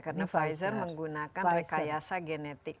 karena pfizer menggunakan rekayasa genetik